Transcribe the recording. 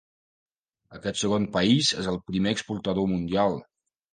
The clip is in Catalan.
Aquest segon país és el primer exportador mundial.